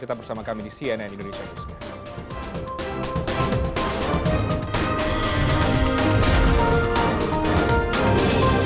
tetap bersama kami di cnn indonesia newscast